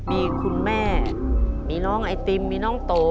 มีคุณแม่มีน้องไอติมมีน้องโต